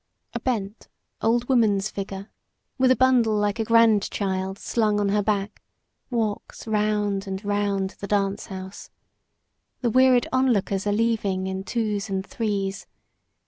A bent old woman's figure, with a bundle like a grandchild slung on her back, walks round and round the dance house. The wearied onlookers are leaving in twos and threes.